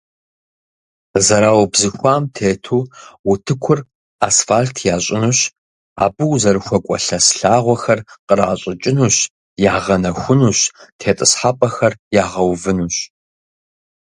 Зэраубзыхуам тету утыкур асфальт ящӀынущ, абы узэрыхуэкӀуэ лъэс лъагъуэхэр къращӀыкӀынущ, ягъэнэхунущ, тетӀысхьэпӀэхэр ягъэувынущ.